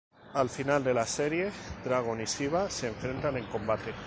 Al final de la serie, Dragon y Shiva se enfrentarían en combate.